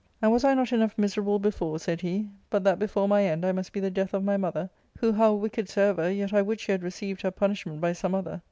" And was I not enough miserable before," said he, " but that before my end I must be the death of my mother ? who, how wicked soever, yet I would she had received her punishment by some other.